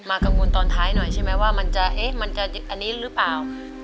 มากังวลตอนท้ายหน่อยใช่ไหมว่ามันจะอันนี้รึเปล่า